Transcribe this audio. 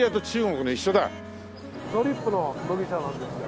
ドリップの麦茶なんですよ。